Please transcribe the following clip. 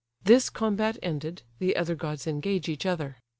This combat ended, the other gods engage each other.